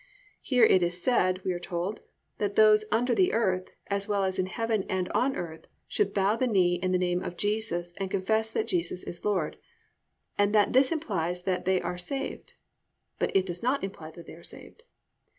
"+ Here it is said, we are told, that all those "under the earth" as well as in heaven and on earth should bow the knee in the name of Jesus and confess that Jesus Christ is Lord, and that this implies that they are saved. But it does not imply that they are saved.